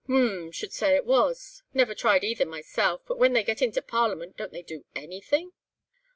"H—m! should say it was. Never tried either myself; but when they get into Parliament don't they do anything?"